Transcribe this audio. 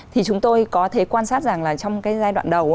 thì chúng tôi có thể quan sát rằng là trong cái giai đoạn đầu